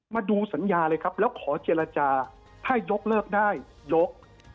มาดูสัญญาเลยครับแล้วขอเจรจาถ้ายกเลิกได้ยก